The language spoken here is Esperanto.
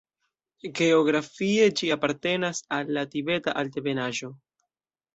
Geografie ĝi apartenas al la Tibeta altebenaĵo.